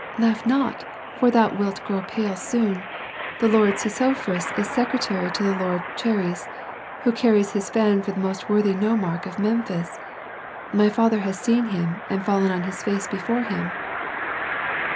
"Laugh not, for thou wilt grow pale soon. The lord Sesofris is secretary to the lord Chaires, who carries his fan for the most worthy nomarch of Memphis. My father has seen him and fallen on his face before him."